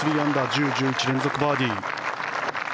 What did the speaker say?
１０、１１と連続バーディー。